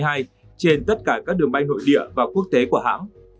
trên tất cả các đường bay nội địa và quốc tế của hãng